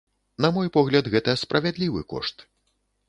На мой погляд, гэта справядлівы кошт.